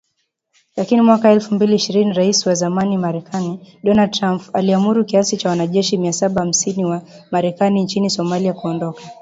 Lakini mwaka elfu mbili ishirini Rais wa zamani Marekani ,Donald Trump, aliamuru kiasi cha wanajeshi mia saba hamsini wa Marekani nchini Somalia kuondoka